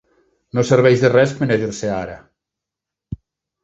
No serveix de res penedir-se ara.